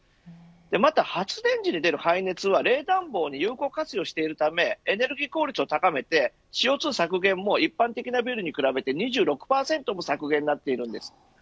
また、発電時に出る廃熱は冷暖房に有効活用しているためエネルギー効率を高めてＣＯ２削減も一般的なビルに比べて２６％の削減になっています。